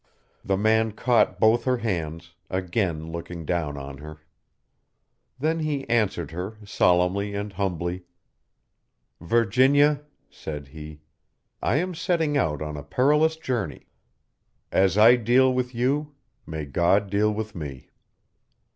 The man caught both her hands, again looking down on her. Then he answered her, solemnly and humbly. "Virginia," said he, "I am setting out on a perilous journey. As I deal with you, may God deal with me."